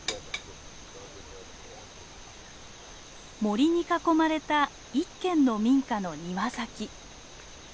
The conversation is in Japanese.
森に囲まれた一軒の民家の庭先。